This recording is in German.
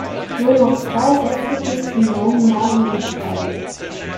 Nur noch zwei Sätze bis zum neuen Meilenstein.